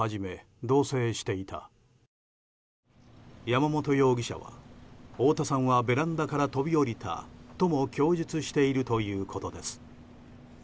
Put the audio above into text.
山本容疑者は大田さんはベランダから飛び降りたとも供述しているということです。